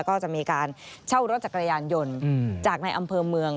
ก็จะมีการเช่ารถจักรยานยนต์จากในอำเภอเมือง